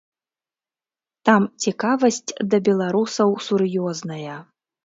Там цікавасць да беларусаў сур'ёзная.